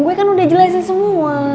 gue kan udah jelasin semua